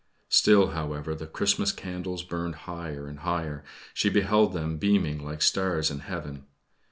Still, however, the Christmas candles burned higher and higher she beheld them beaming like stars in heaven.